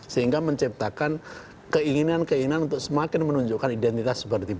sehingga menciptakan keinginan keinginan untuk semakin menunjukkan identitas seperti itu